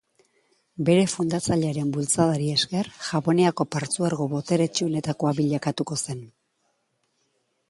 Bere fundatzailearen bultzadari esker Japoniako partzuergo boteretsuenetakoa bilakatuko zen.